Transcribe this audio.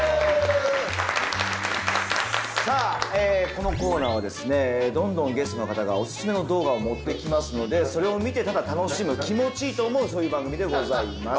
さぁこのコーナーはどんどんゲストの方がオススメの動画を持ってきますのでそれを見てただ楽しむ気持ちいいと思うそういう番組でございます。